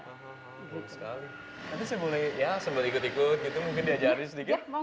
oh sekali nanti saya mulai ya sembar ikut ikut gitu mungkin diajarin sedikit